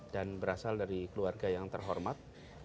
dan berasal dari keluarga yang terhormat